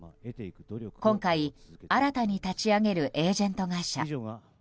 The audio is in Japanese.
今回、新たに立ち上げるエージェント会社。